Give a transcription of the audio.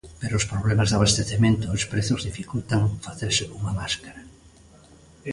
Pero os problemas de abastecemento e os prezos dificultan facerse cunha máscara.